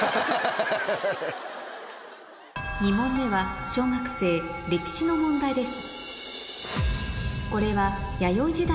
２問目は小学生歴史の問題です